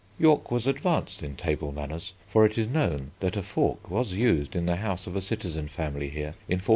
York was advanced in table manners, for it is known that a fork was used in the house of a citizen family here in 1443.